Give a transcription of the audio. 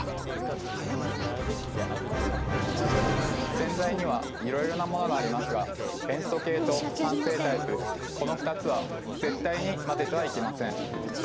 洗剤にはいろいろなものがありますが塩素系と酸性タイプこの２つは絶対にまぜてはいけません。